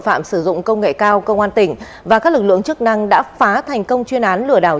phạm sử dụng công nghệ cao công an tỉnh và các lực lượng chức năng đã phá thành công chuyên án lừa đảo